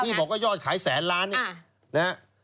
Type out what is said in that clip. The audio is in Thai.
พี่บอกว่ายอดขาย๑๐๐๐๐๐ล้านเนี่ย